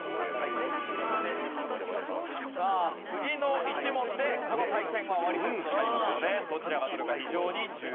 さあ次の１問でこの対戦は終わりという事になりますのでどちらが取るか非常に重要です。